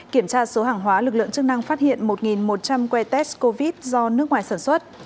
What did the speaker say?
kiểm tra số hàng hóa lực lượng chức năng phát hiện một một trăm linh que test covid do nước ngoài sản xuất